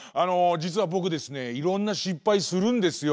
じつはぼくですねいろんな失敗するんですよ。